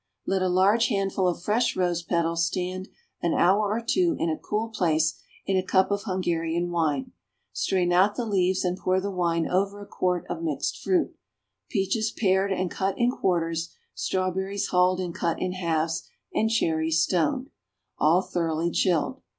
_) Let a large handful of fresh rose petals stand an hour or two in a cool place in a cup of Hungarian wine. Strain out the leaves and pour the wine over a quart of mixed fruit, peaches pared and cut in quarters, strawberries hulled and cut in halves, and cherries stoned, all thoroughly chilled.